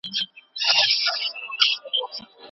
هغه هيڅکله له خپلو اشتباهاتو څخه څه نه دي زده کړي.